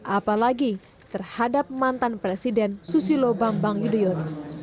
apalagi terhadap mantan presiden susilo bambang yudhoyono